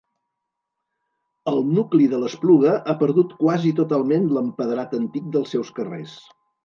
El nucli de l'Espluga ha perdut quasi totalment l'empedrat antic dels seus carrers.